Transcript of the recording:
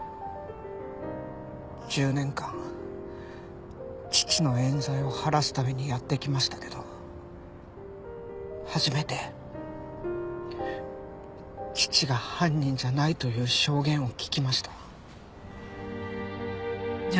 １０年間父の冤罪を晴らすためにやってきましたけど初めて父が犯人じゃないという証言を聞きました。